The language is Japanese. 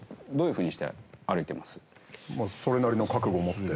まあそれなりの覚悟を持って。